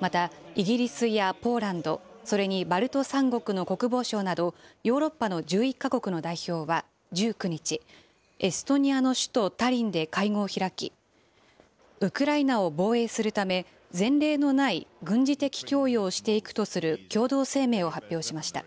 またイギリスやポーランド、それにバルト三国の国防相など、ヨーロッパの１１か国の代表は１９日、エストニアの首都タリンで会合を開き、ウクライナを防衛するため、前例のない軍事的供与をしていくとする共同声明を発表しました。